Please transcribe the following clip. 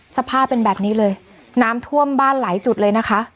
สภาพเป็นแบบนี้เลยน้ำท่วมบ้านหลายจุดเลยนะคะ